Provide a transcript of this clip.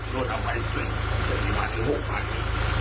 ตำรวจเอาไป๑๐๐๐๐หรือ๖๐๐๐นี่